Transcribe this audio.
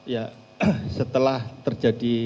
ya setelah terjadi